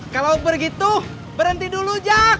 kalau begitu berhenti dulu jak